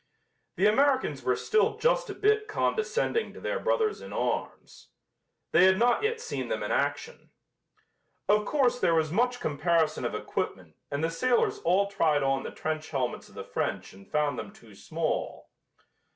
The Americans were still just a bit condescending to their brothers in arms. They had not yet seen them in action. Of course there was much comparison of equipment and the sailors all tried on the trench helmets of the French and found them too small.